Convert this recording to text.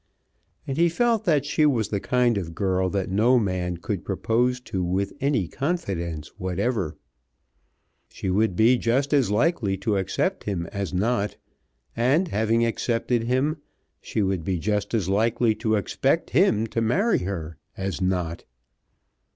And he felt that she was the kind of girl that no man could propose to with any confidence whatever. She would be just as likely to accept him as not, and having accepted him, she would be just as likely to expect him to marry her as not.